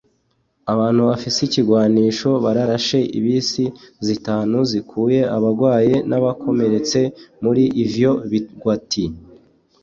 abantu bafise ibigwanisho bararashe ibisi zitanu zikuye abagwaye n'abakomeretse muri ivyo bigwati